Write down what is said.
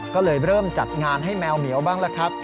ก็เลยเริ่มจัดงานให้แมวเหมียวบ้างละครับ